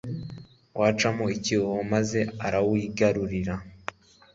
awucamo icyuho, maze arawigarurira